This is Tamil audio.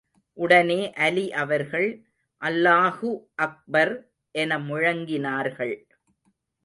உடனே அலி அவர்கள் அல்லாஹூ அக்பர் என முழங்கினார்கள்.